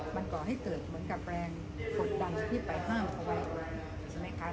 มันกอให้เกิดเหมือนกับแรงจนดันที่ไปปล่าญ